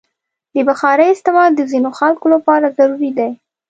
د بخارۍ استعمال د ځینو خلکو لپاره ضروري دی.